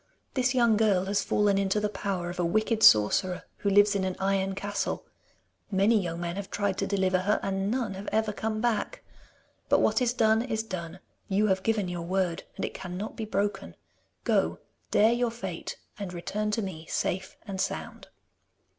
This young girl has fallen into the power of a wicked sorcerer, who lives in an iron castle. Many young men have tried to deliver her, and none have ever come back. But what is done is done! You have given your word, and it cannot be broken. Go, dare your fate, and return to me safe and sound.